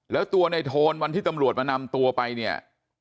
แล้วตัวในโทนวันที่ตำรวจมานำตัวไปเนี่ย